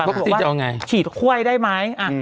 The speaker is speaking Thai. วัคซีนจะเอาอย่างไรฉีดข้วยได้ไหม